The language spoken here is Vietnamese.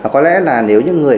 có lẽ là nếu những người